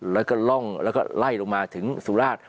แล้วก็ล่องแล้วก็ไล่ลงมาถึงสุราช